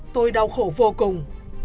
tôi đau khổ vô cùng